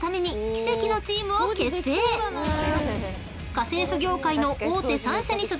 ［家政婦業界の］